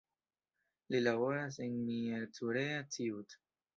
Li laboras en Miercurea Ciuc.